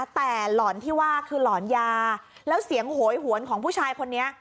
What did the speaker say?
แต่หล่อนที่ว่าคือหลอนยาแล้วเสียงโหยหวนของผู้ชายคนนี้